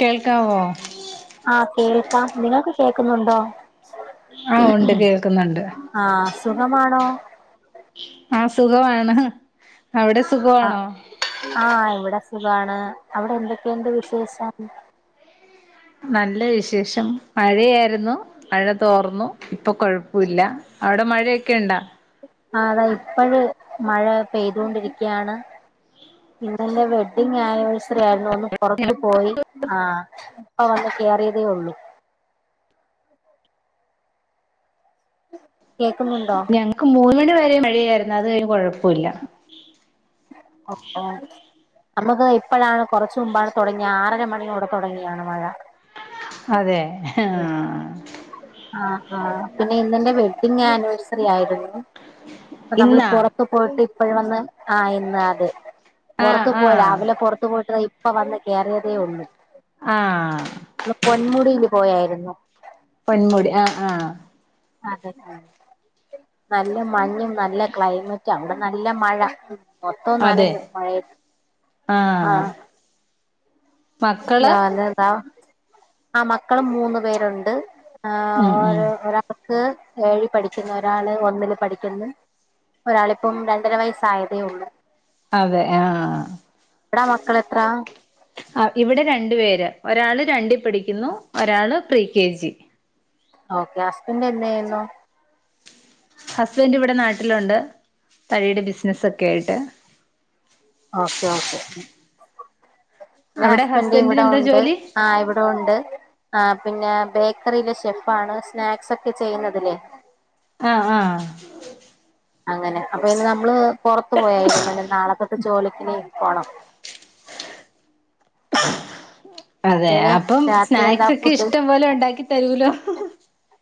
കേൾക്കാവോ [inaudible] ആ കേൾക്കാം നിങ്ങൾക്ക് കേൾക്കുന്നുണ്ടോ ആ ഉണ്ട് കേൾക്ക്ന്ന്ണ്ട് ആഹ് സുഖമാണോ ആ സുഖമാണ് അവിടെ ആഹ് സുഖമാണോ ആഹ് ഇവിടെ സുഖാണ് അവിടെ എന്തൊക്കെണ്ട് വിശേഷം നല്ല വിശേഷം മഴയായിരുന്നു മഴ തോർന്നു ഇപ്പൊ കൊഴപ്പൂല്ല അവടെ മഴയൊക്കെ ണ്ടോ ആ താ ഇപ്പഴ് മഴ പെയ്തൊണ്ടിരിക്ക്യാണ് ഇന്നെൻ്റെ വെഡ്ഡിങ് ആനിവേഴ്സറി ആയിരുന്നു ഒന്ന് പൊറത്ത് പോയി ആ ഇപ്പ വന്ന് കേറിയതേ ഒള്ളു കേക്കുന്നുണ്ടോ ഞങ്ങക്ക് മൂന്ന് മണി വരെ മഴയായിര് അത് കഴിഞ്ഞ് കൊഴപ്പൂല്ല ഓഹ് നമുക്ക് ഇപ്പോഴാണ് കൊറച്ച് മുമ്പാണ് തൊടങ്ങിയ ആറര മണിയോടെ തൊടങ്ങിയാണ് മഴ അതെ ആ ആ പിന്നെ ഇന്നെന്റെ വെഡ്ഡിങ് ആനിവേഴ്സറി ആയിരുന്നു നമ്മള് ഇന്നാ പുൊറത്ത പോയിട്ട് എപ്പോഴ വന്ന് ആ ഇന്ന് അതെ ആഹ് പുറത്ത്ു പോയി ആഹ് രാവിലെ പുറത്തു പോയിട്ട് ഇപ്പൊ വന്ന് കേയറിയതേ ഒന്ന് ആഹ് പൺ മുടില്ല പോയായിരുന്നു പെൺമുടി ആഹ് ആഹ അതെ നല്ല മഞ്ഞും നല്ല ക്ലൈമറ്റ് അവിടെ നല്ല മഴ മൊത്തവും നാലു അതെ മഴ ആഹ് ആഹ മക്കള് വാലെതാ ആ മക്കളും മൂന്ന്ു പേരുണ്ട് ഉം ഉം ആഹ ഏഴിൽ പഠിക്കുന്നു ഒരാള് ഒന്നില് പഠിക്കുന്നു ഒരാളിപ്പം രണ്ടര വയസ്സായതേ ഉള്ളു അതെ ആഹ എടാ മക്കള എത്ര ആ ഇവിടെ രണ്ടു പേര് ഒരാള് രണ്ടിൽ പഠിക്കുന്നു ഒരാള് പ്ര കെ ജി ഓക്കെ അസ്ബന്റ് എന്തായിരുന്നു ഹസ്ബൻഡ് ഇവിടെ നാട്ടിലുണ്ട് തഴിയുടെ ബിസിനസ്സ ഒക്കെ ആയിട്ട് ഓക്കെ ഓക്കെ എന്റെ അവിടെ ഹസ്ബൻഡ ഹസ്ബൻഡിന് ഇവിടെ എന്താ ഉണ്ട് ജോലി ആ ഇവിടെ ഉണ്ട് ആ പിന്നെ ബേക്കറിയിലെ ഷെഫ് ആാണ് സ്നാക്സ് ഒക്കെ ചെയ്യുന്നതില്ലേ ആഹ ആഹ് അങ്ങനെ അപ്പൊ ഇന്ന് നമ്മള് പുറത്തു പോയായിരുന്നു ഇ നാളെ തൊട്ട് ജോലക്ക്ിന പോണം അതെ പിന്നെ അപ്പം രാത്രി എന്താ സ്നാക്സ് ഒക്കെ ഫുഡ് ഇഷ്ടം പോലെ ഉണ്ടാക്കി തരൂലോ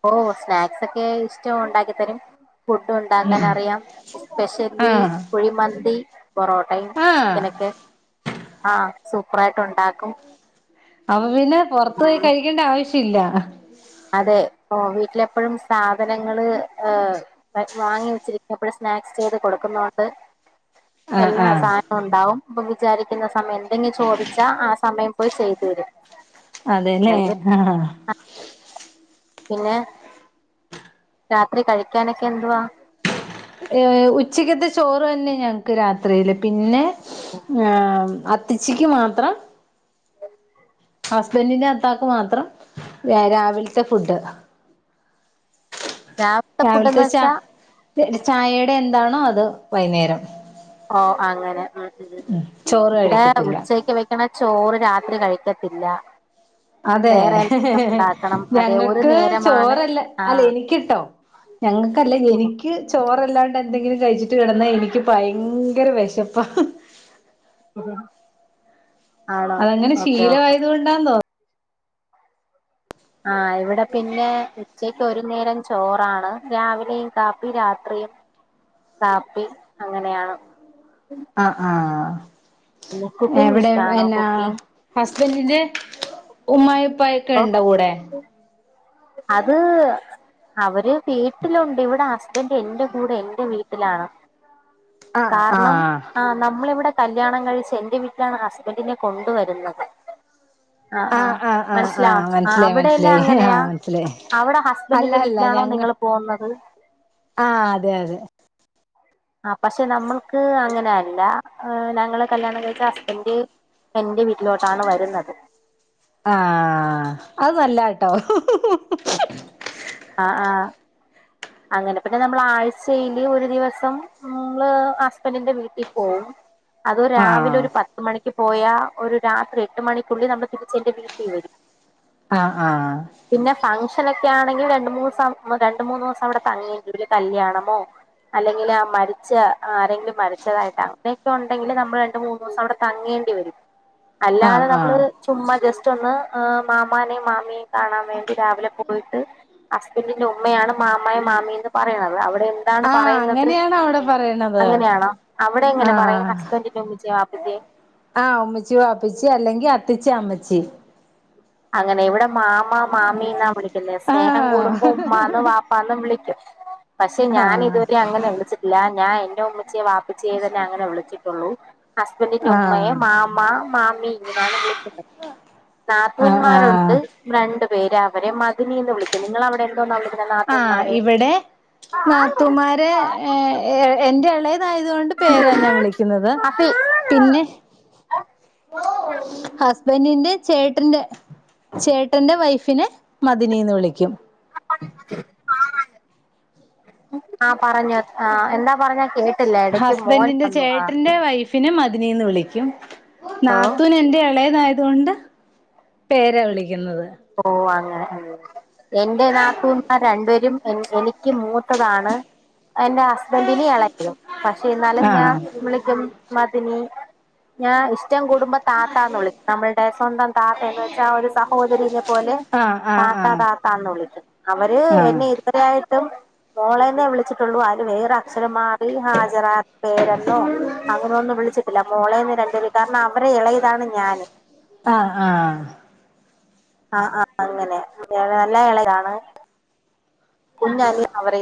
ഓ സ്നാക്സ് ഒക്കെ ഇഷ്ടം ഉണ്ടാക്കിത്തരും ഫുഡ് ഉണ്ടാക്കാൻ അറിയാം എസ്പെഷ്യലി ആഹ് കുഴിമന്തി പൊറോട്ടയും ആഹ് ചിക്കനൊക്കെ ആഹ് സൂപ്പറായിട്ട് ഉണ്ടാക്കും അവ് പിന്നെ പൊറത്തോയി കഴിക്കേണ്ട ആവശ്യം ഇല്ല അ അതെ ഓ വീട്ടിലെപ്പഴും സാധനങ്ങള് വാങ്ങി വെച്ചിരിക്കുമ്പഴും സ്നാക്സ് ചെയ്ത് കൊടുക്കുന്നോണ്ട്- ആഹ് എല്ലാ ആഹ് സാധനവും ഒണ്ടാവും ഇപ്പൊ വിചാരിക്കുന്ന സമയം എന്തെങ്കിലും ചോദിച്ചാ ആ സമയം പോയി ചെയ്തു തരും അതെ അല്ലേ അല്ലെങ്കില് ആഹ് പിന്നെ രാത്രി കഴിക്കാനൊക്കെ എന്തുവാ ഏ ഉച്ചക്കത്തെ ചോറ് തന്നെ ഞങ്ങക്ക് രാത്രിയില് പിന്നെ- ആഹ് അത്ത്ച്ചിക്ക് മാത്രം ഹസ്ബന്റിന്റെ അത്താക്ക് മാത്രം രാവിലത്തെ ഫുഡ് ഫുഡ്ന്ന് രാവിലത്തെ ച വെച്ചാ ചായേടെ എന്താ- എന്താണോ അത് വൈന്നേരം ഓ അങ്ങനെ ഉം ഉം മ് ചോറ് ഇവിടെ കഴിക്കത്തില്ല ഉച്ചക്ക് വെക്കണ ചോറ് രാത്രി കഴിക്കത്തില്ല അതെ വേറെ എന്തെങ്കിലും ഉണ്ടാക്കണം അതെ ഒരു ഞങ്ങക്ക് നേരമാണ് ചോറല്ല അല്ല ആഹ് എനിക്കിട്ടോ ഞങ്ങക്കല്ല എനിക്ക് ചോറ്- അല്ലാണ്ട് എന്തെങ്കിലും കഴിച്ചിട്ട് കെടന്നാ എനിക്ക് ഭയങ്കര വെശപ്പാ മ് അതങ്ങനെ ശീലവായത്കൊണ്ടാന്ന് തോ ആഹ് ഇവിടെ പിന്നെ ഉച്ചയ്ക്ക് ഒരു നേരം ചോറാണ് രാവിലെയും കാപ്പി രാത്രിയും കാപ്പി അങ്ങനെയാണ് ആഹ് ആഹ് പിന്നെ കുക്കിംഗ് എവടെ ഇഷ്ടാണോ എന്നാ കുക്കിംഗ് ഹസ്ബന്റിന്റെ ഉമ്മായും അപ്പൊ ഉപ്പയൊക്കെണ്ടോ കൂടെ അത് അവര് വീട്ടിലുണ്ട് ഇവിടെ ഹസ്ബന്റ് എന്റെ കൂടെ എന്റെ വീട്ടിലാണ്. കാരണം ആഹ് നമ്മളിവിടെ കല്യാണം കഴിച്ച് എന്റെ വീട്ടിലാണ് ഹസ്ബന്റിനെ കൊണ്ട് വരുന്നത്. ആഹ് ആഹ് ആഹ് ലാ ആഹ് ആ മനസ്സിലായി അവിടെ എല്ലാം മനസ്സിലായി അങ്ങനെയാ ആഹ് മനസ്സിലായി അവിടെ അല്ല ഹസ്ബന്റിന്റെ അല്ല വീട്ടിലാണോ ഞങ്ങ നിങ്ങള് പോകുന്നത്. ആഹ് അതെ അതെ ആ പക്ഷെ നമ്മൾക്ക് അങ്ങനെ അല്ല ഞങ്ങള് കല്യാണം കഴിച്ച ഹസ്ബന്റ് എന്റെ വീട്ടിലോട്ടാണ് വരുന്നത്. ആഹ് അത് നല്ല ആട്ടോ ആഹ് ആഹ് അങ്ങനെപിന്നെ നമ്മള് ആഴ്ചയില് ഒരു ദിവസം നമ്മള് ഹസ്ബന്റിന്റെ വീട്ടീപോവും അത് രാവിലെ ആഹ് ഒരു പത്ത് മണിക്ക് പോയാ ഒരു രാത്രി എട്ട് മണിക്കുള്ളിൽ നമ്മൾ തിരിച്ചെന്റെ വീടീവെരും. ആഹ് ആഹ് ആണെങ്കിൽ രണ്ട് മൂന്നൂസം അവിടെ തങ്ങേണ്ടി വരല് കല്യാണമോ അല്ലെങ്കിൽ മരിച്ച ആരെങ്കിലും മരിച്ചതായിട്ട് അങ്ങനെയൊക്കെ ഉണ്ടെങ്കിൽ നമ്മൾ രണ്ട് മൂന്നൂസം അവിടെ തങ്ങേണ്ടി വരും. അല്ലാതെ ആഹ് നമ്മള് ആഹ് ചുമ്മ ജ സ്റ്റോന്ന് മാമാനേയും മാമിയേയും കാണാൻ വേണ്ടി രാവിലെ പോയിട്ട് ഹസ്ബന്റിന്റെ ഉമ്മയാണ് മാമായും മാമിന്ന് പറയുന്നത് അ എന്താണ് ആഹ് അങ്ങനെയാണോ അവടെ പറയണത് അങ്ങനെയാണോ അവിടെ എങ്ങനെ പറയും ആഹ് ഹസ്ബൻഡിന്റെ ഉമ്മച്ചിയും വാപ്പച്ചിയും ആഹ് ഉമ്മിച്ചി ബാപ്പച്ചി അല്ലെങ്കി കത്തിച്ച അമ്മച്ചി അങ്ങനെ ഇവിടെ മാമാ മാമീന്നാ വിളിക്ക പിന്നെ ആഹ് സ്നേഹം കൂടുമ്പോ ഉമ്മാന്നും വാപ്പാന്നും വിളിക്കും പക്ഷെ ആഹ് ഞാൻ ഇതുവരെ അങ്ങനെ വിളിച്ചിട്ടില്ല ഞാൻ ഉമ്മിച്ചയേ വാപ്പിച്ചേ തന്നെ അങ്ങനെ വിളിച്ചിട്ടുള്ളൂ ഹസ്ബൻഡിന്റെ ആഹ് ഉമ്മയെ മാമ മാമി ഇങ്ങനെയാണ് വിളിക്കുന്നത് ആഹ് മോൻമ്മാരുണ്ട് ആഹ് രണ്ട്- പേര് അവരെ മതിനി എന്ന് വിളിക്കും നിങ്ങൾ അവിടെ എന്തോന്ന് വിളി- ആഹ് ഇവിടെ നാത്തൂന്മാരെ എ ഏ എന്റെ- ആയതൊണ്ട് പേരാ ഞാൻ വിളിക്കുന്നത് അഫി പിന്നെ- ബെൻഡിന്റ ചേട്ടന്റെ വൈഫിനെ മതിനി ന്ന് വിളിക്കും ആ പറഞ്ഞോ ആ എന്താ പറഞ്ഞാ കേ- ഹസ്ബന്റിന്റെ ചേട്ടന്റെ വൈഫ് ഫിനെ മതിനിന്ന് വിളിക്കും ഓ നാത്തൂൻ എന്റെ ഇളയതായ- അതുകൊണ്ട് പേരാ വിളിക്കുന്നത് ഓ അങ്ങനെ എന്റെ നാക്കൂന്മാർ രണ്ടുപേരും എനിക്ക് മൂത്തതാണ് എന്റെ ഹസ്ബൻഡിനെ ഇലെറ്റിയത് പക്ഷെ എന്നാലും ഞാൻ ആഹ് വിളിക്കും മതിന് ഞാൻ ഇഷ്ടം കുടുംബം താത്താന്ന് ഇളിക്കു നമ്മളുടെ സ്വന്തം താത്ത എന്ന് വെച്ചാ ആ ഒരു സഹോദരിനെ പോ പോലെ ആഹ് താത്ത ആഹ് താത്താന്ന് ഇളിക്കും അവര് ആഹ് എന്നെ ഇതുവരെയാ യിട്ട് മോളെന്നേ വിളിച്ചിട്ടുള്ളൂ ആ വേറെ അക്ഷരം മാറി ഹാജരാ പേരെന്നോ അങ്ങനെയ ഒന്നും വിളിച്ചിട്ടില്ല മോളെന്ന് രണ്ടുപേര് കാരണം അവരെ ഇളയതാണ് ഞാന് ആഹ് ആഹ് ആഹ ആഹ അങ്ങനെ നല്ല ഇളേതാണ് കുഞ്ഞാലി അവരെ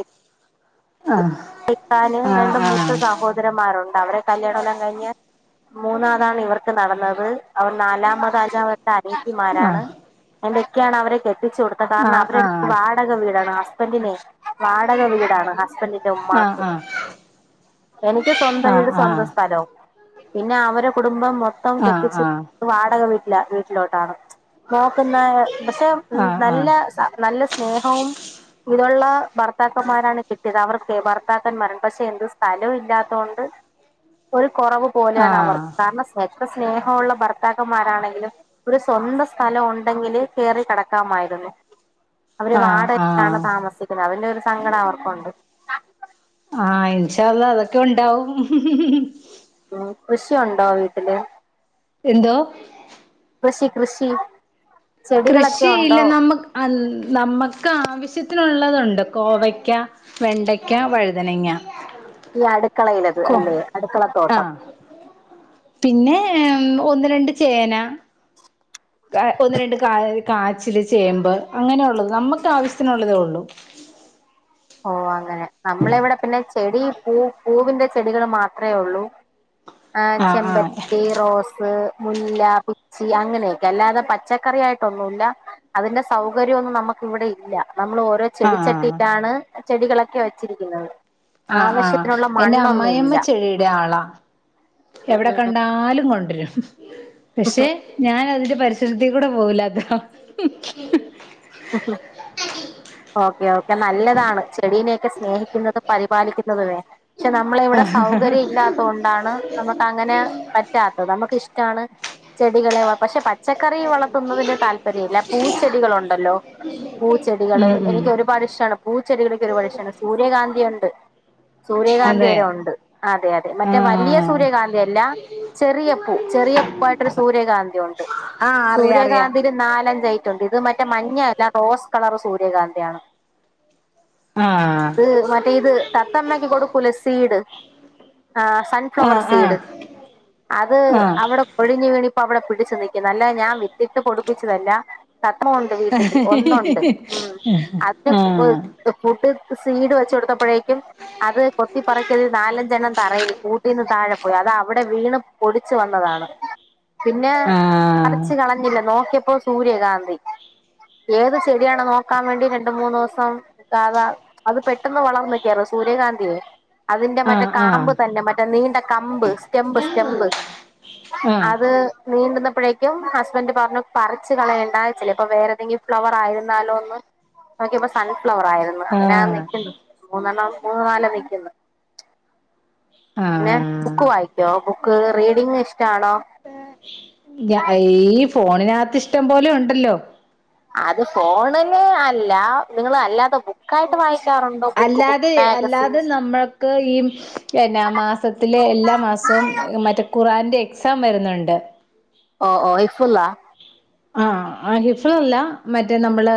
കക്കാന് രണ്ട മൂത്ത സഹോദരന്മാരുണ്ട് അവടെ കല്യാണംമല്ലാം കഴിഞ്ഞ് മൂന്നാതാണ് ഇവർക്ക് നടന്നത് അവർ നാലാമത് അഞ്ചാമത്തെ ആഹ് അരീത്തിമാരാണ് ആഹ് എന്റെ ഒക്കെയാണ അവരെ കെ ത്തിച്ച കൊടുത്ത ആഹ് ആഹ് ആഹ് കാരണം ആഹ് അവരു വാടക വീടണം ഹസ്ബന്റിെനെ വാടക വീടാണ് ഹസ്ബന്റിന്റെ ആഹ് ആഹ് ഉമ്മാക്ക് ആഹ് എനിക്ക് സ്വന്തം വീട് ആഹ് സ്വന്തം ആഹ് സ്ഥലോം പിന്നെ അവരെ ്പ മൊത്തം ആഹ് കെട്ടിിച്ചി ആഹ് വാടക വിട്ട് ഇല്ല വീട്ടിലോട്ടാണ് നോക്കുന്ന പക്ഷെ ഉ ആഹ് നല്ല ആഹ് നല്ല സ്നേഹവും ഇതുള്ള ഭർത്താക്കന്മാരാണ് കിട്ടിയത് അവർക്ക് ഭർത്താക്കാന്മാർ പക്ഷേ എന്ത് സ്ഥലോ ഇല്ലാത്തോണ്ട് ഒരു കുറവ് പോലെയാണ് ആഹ് അവർ കാരണം സ്ഥ എത്ര സ്നേഹമുള്ള ഭർത്താക്കന്മാരാണെങ്കിലും ഒരു സ്വന്തം സ്ഥലം ഉണ്ടെങ്കില് കേറി കിടക്കാമായിരുന്നു അവര് ആഹ് വാടകക്കാണ് ആഹ് താമസിക്കുന്നത് അവന്റെ ഒരു സങ്കടം അവ ക്കുണ്ട് ആ ഇൻഷാ അള്ളാഹ് അതൊക്കെ ഉണ്ടാവും ഉം ശ്ശിയുണ്ടോ വീട്ടില് എന്തോ കൃഷി കൃഷി ചെടികളൊക്കെ കൃഷിയില്ല ഉണ്ടോ നമ്മക്ക് അൽ നമുക്ക് ആവശ്യത്തിനുള്ളതുണ്ട് കോവയ്ക്ക വെണ്ടയ്ക്ക വഴുതനങ്ങ ഇല്ല അടുക്കളയിലത് കോ അല്ലേ അടുക്കളത്തോട്ടം ആഹ് പിന്നെ ഒന്ന് രണ്ട് ചേന ക ഒന്ന് രണ്ട് കാ കാ ച്ചില് ചേമ്പ് അങ്ങനൊള്ളത് നമ്മുക്ക് ആവശ്യത്തിനുള്ളതേ ഒള്ളൂ ഓ അങ്ങനെ നമ്മളെവിടെ പിന്നെ ച് ചെടി പൂ പൂവിന്റെ ചെടികൾ മാത്രേ ഒള്ളൂ ആ ആഹ് ആഹ് ചെമ്പര്ത്തി റോസ് മുല്ല പച്ചി അങ്ങനെയൊക്കെ അല്ലാതെ പച്ചക്കറി ആയിട്ടൊന്നുല്ല അതിന്റെ സൗകര്യഒന്നും നമുക്ക് ഇവിടെ ഇല്ല നമ്മൾ ഓരോ ആഹ് ആഹ് ചെടിച്ചട്ടിയിലാണ് ചെടികളൊക്കെ വെച്ചിരിക്കുന്നത് ആ ആഹ് ആവശ്യത്തിനുള്ള എന്റെ മണ്ണൊന്നും അമ്മായിയമ്മ ഇല്ല ചെടിയുടെ ഉം ആളാ ഉം എവിടെ ഉം കണ്ടാലും കൊണ്ടരും പക്ഷേ ഞാൻ അതിന്റെ പരിസർത്തീകൂടെ പോവൂല അതോ ആ ഓക്കെ ഓക്കെ നല്ലതാണ് ചെടീനെയൊക്കെ സ്നേഹിക്കുന്നുന്നതും പരിപാലിക്കുന്നതുവേ പക്ഷേ നമ്മള ഇവിടെ സൗകര്യം ഇല്ലാത്തോണ്ടാണ് നമുക്ക് അങ്ങനെ പറ്റാത്തത് നമുക്ക് ഇഷ് ടാണ് ചെടികളെ പക്ഷേ പ പച്ചക്കറി വളർത്തുന്നതിന് താല്പര്യം ഇല്ല പൂച്ചെടികളുണ്ടല്ലോ പൂച്ചെടികള് ഉം ഉം എനിക്ക് ഒരുപാട് ഇഷ്ടാണ് പൂച്ചെടികളൊക്കെ ഒരുപാട് ഇഷ്ടാണ് സൂര്യകാന്തി ഉൺ ണ്ട് സൂര്യകാന്തി അതെ വരെ ഉണ്ട് അതെ അതെ മറ്റേ വല്ലിയ ആഹ് സൂര്യകാന്തിയല്ല ചെറിയ പൂ ചെറിയ പൂവായിട്ടൊരു സൂര്യകാന്തി ഉണ്ട് ആഹ് അറിയാം അറിയാം സൂര്യകാന്തില് നാലഞ്ച് ഐറ്റുണ്ട് ഇത് മറ്റേ മഞ്ഞ അല്ല റോസ് കളറ് സൂര്യകാന്തി [unintelligible] ആഹ് അത് മറ്റേ ഇത് തത്തമ്മക്ക് കൊടുക്കൂലെ സീട് ആ സൺഫ്ലവർ സീഡ് ആഹ് അത് ആഹ് ആഹ് അവിടെ കൊഴിഞ്ഞു വീണി അവിടെ പിടിച്ച് നി നല്ല ഞാൻ വിത്തിട്ട് കൊടു പ്പിച്ചതല്ല സത്രമുണ്ട് വീട്ടില് ഒന്നുണ്ട് ഉം അത് [unintelligible] സീഡ് വെച്ച കൊടുത്തപ്പൊഴേക്കും അത് കൊത്തിപ്പറക്കി അതി നാലഞ്ചെണ്ണം തറയിൽ കൂട്ടീന്ന് താഴെ പോയി അത് അവിടെ വീണ് പൊടിച്ചു വന്നതാണ് പിന്നെ ആഹ് ആഹ് പറിച്ച് കളഞ്ഞില്ല നോക്കിയ ഇപ്പോ സൂര്യകാന്തി ഏത് ചെടിയാണ് നോക്കാൻ വേണ്ടി രണ്ട് മൂന്ന് ദിവസം സാധ അത് പെട്ടെന്ന് വളർന്നക്കെയറും സൂര്യകാന്തിയേ അതിന്റെ മറ്റേ ആഹ് കാമ്പ് ആഹ് തന്നെ മറ്റേ നീണ്ട കമ്പ് സ്റ്റെമ്പ് സ്റ്റെംമ്പ് ആഹ് അത് നീണ്ടുന്ന അപ്പോഴേക്കും ഹസ്ബൻ്റ് പറഞ്ഞു പറിച്ച് കളയണ്ട ചിലപ്പൊ വേറേതെങ്കി ഫ്ലവർ ആയിരുന്നാലോന്ന് നോകിയപ്പ സൺ ഫ്ലവർ ആയിരുന്ന് അങ്ങനാ ആ ആഹ് നിക്കുന്ന് മൂന്നെണ്ണം മൂന്ന് നാല് നിക്കുന്ന് പിന്ന ബുക്ക് ആഹ് വായിക്കോ ബു ബുക്ക് റീഡിംഗ് ഇഷ്ടാണോ ഞ ഈ ഫോണിനാത്ത് ഇഷ്ടം പോലെ ഉണ്ടല്ലോ അത് ഫോണിന് അ ഇല്ല നിങ്ങള് അല്ലാതെ ബുക്കായിട്ട് വായി അല്ലാതെ അല്ലാതെ നമ്മൾക്ക് ഈ പിന്നെ മാസത്തിലെ എല്ലാ മാസവും മറ്റേ ഖുറാന്റെ എക്സാം വരുന്നുണ്ട് ഓ ഓ ഇഫ്ളാ ആ ഹിഫ്ളല്ല മറ്റേ നമ്മള്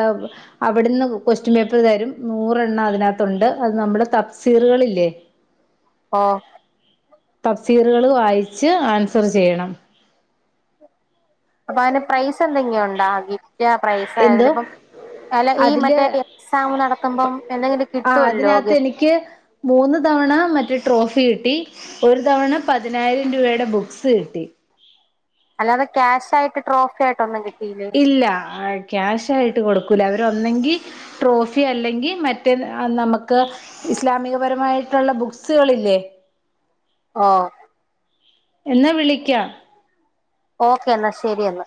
അവിടുന്ന് കൊക്വസ്റ്റ്യൻ പേപ്പർ തരും നൂറെണ്ണം അതിനാത്തുണ്ട് അത് നമ്മള് തപ്സീറുകളില്ലേ ആഹ് തഫ്സീറുകള് വായിച്ച് ആൻസറ് ചെയ്യണം അപ്പം അയിന് പ്രൈസ് എന്തെങ്കിലും ഉണ്ടോ ഗിഫ്റ്റ് പ്രൈസ് എന്തോ അപ്പം അല്ല ഈ അതില് മറ്റേ എക്സാം നടത്തുമ്പം എന്തെങ്കിലും ആഹ് കിട്ടുമല്ലോ അതിനകത്ത് ഗിഫ്റ്റ് എനിക്ക് മൂന്ന് തവണ മറ്റേ ട്രോഫി കിട്ടി ഒരു തവണ പതിനായിരം രൂപയുടെ ബുക്സ് കിട്ടി അല്ലാെ ക്യാഷ്ായിട്ട് ട്രോഫി ആയിട്ട്ന്നും കിട്ടില്ല ഇല്ല ആ ക്യാഷ ആയിട്ട് കൊടുക്കൂല അവരൊന്നെങ്കി ട്രോഫി അല്ലെങ്കിൽ മറ്റേ നമുക്ക് ഇസ്ലാമികപരമായിട്ടുള്ള ബുക്സുകളില്ലേ ആഹ എന്നാ വിളിക്കാ ഓക്കേ എന്ന എന്നാ ശെരി എന്നാ